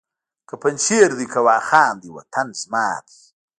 که پنجشېر دی که واخان دی وطن زما دی